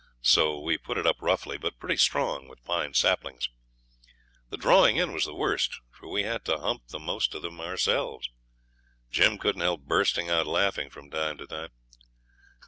So we put it up roughly, but pretty strong, with pine saplings. The drawing in was the worst, for we had to 'hump' the most of them ourselves. Jim couldn't help bursting out laughing from time to time.